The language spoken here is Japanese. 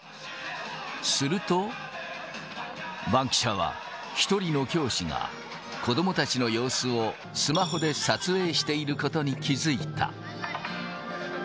すると、バンキシャは、１人の教師が、子どもたちの様子をスマホで撮影していることに気付いた。